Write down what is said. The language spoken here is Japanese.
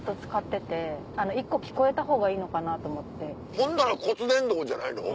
ほんなら骨伝導じゃないの？